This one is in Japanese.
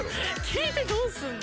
聞いてどうすんの？